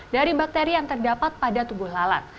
dari bakteri yang terdapat pada tubuh lalat